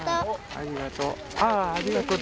ありがとう。